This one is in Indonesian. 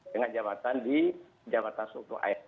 dengan jabatan di jabatan struktur isn